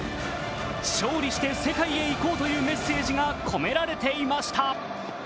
「勝利して世界へ行こう」というメッセージが込められていました。